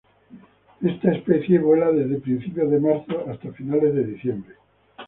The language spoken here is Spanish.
Esta especie vuela desde principios de marzo hasta finales de diciembre.